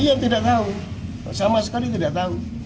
iya yang tidak tahu sama sekali tidak tahu